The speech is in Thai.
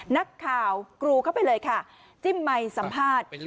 นักข่าวกรูเข้าไปเลยค่ะจิ้มไมค์สัมภาษณ์